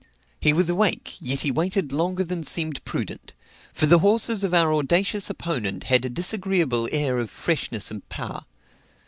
He was awake, yet he waited longer than seemed prudent; for the horses of our audacious opponent had a disagreeable air of freshness and power.